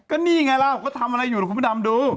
ก็นี่ไงล่ะผมก็ทำอะไรอยู่นะคุณพระดำดู